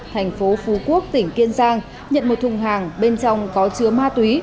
thành phố phú quốc tỉnh kiên giang nhận một thùng hàng bên trong có chứa ma túy